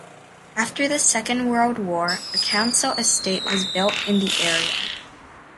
After the Second World War a council estate was built in the area.